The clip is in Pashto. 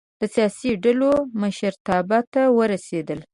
د سیاسي ډلو مشرتابه ته ورسېدل.